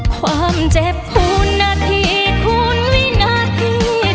ความเจ็บคูณนาทีคูณวินาที